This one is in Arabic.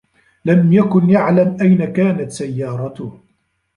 لم يكن يعلم أين كانت سيّارته.